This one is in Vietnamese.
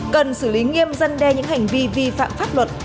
cần xử lý nghiêm dân đe những hành vi vi phạm pháp luật